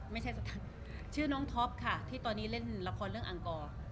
ไม่ใช่สถานชื่อน้องท็อปค่ะที่ตอนนี้เล่นละครเรื่องอังกร